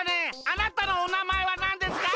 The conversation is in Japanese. あなたのおなまえはなんですか？